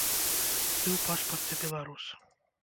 Ты ў пашпарце беларус!